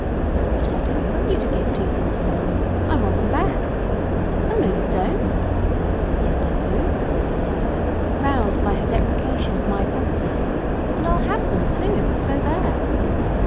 "But I don't want you to give twopence for them; I want them back." "Oh, no you don't!" "Yes I do," said I, roused by her depreciation of my property , "and I'll have them too, so there!"